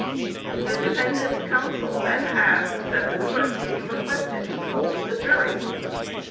The defendant's counsel then asked that the clerk be requested to poll the jury.